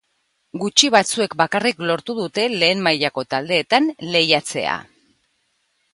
Gutxi batzuek bakarrik lortu dute lehen mailako taldeetan lehiatzea.